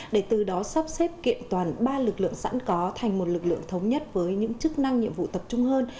để từ đó sắp xếp kiện toàn ba lực lượng sẵn có thành một lực lượng thống nhất với những chức năng nhiệm vụ tập trung hơn